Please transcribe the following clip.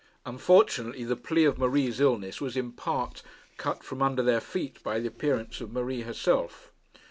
Unfortunately the plea of Marie's illness was in part cut from under their feet by the appearance of Marie herself.